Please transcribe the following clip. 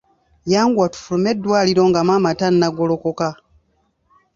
Yanguwa tufulume eddwaliro nga maama tannagolokoka.